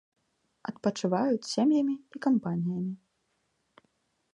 Адпачываюць сем'ямі і кампаніямі.